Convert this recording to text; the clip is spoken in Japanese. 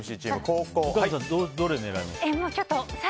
三上さんどれ狙いますか？